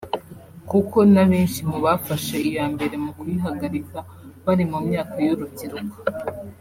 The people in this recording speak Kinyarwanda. kuko n’abenshi mu bafashe iya mbere mu kuyihagarika bari mu myaka y’urubyiruko